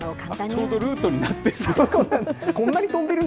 ちょうどルートになってる。